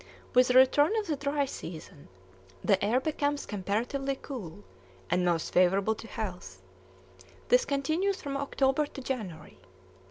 With the return of the dry season the air becomes comparatively cool, and most favorable to health; this continues from October to January.